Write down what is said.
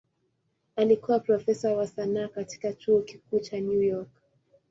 Alikuwa profesa wa sanaa katika Chuo Kikuu cha New York.